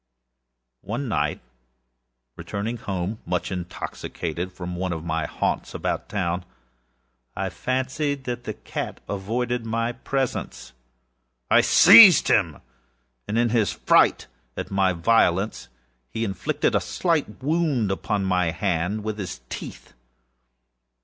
One night, returning home, much intoxicated, from one of my haunts about town, I fancied that the cat avoided my presence. I seized him; when, in his fright at my violence, he inflicted a slight wound upon my hand with his teeth.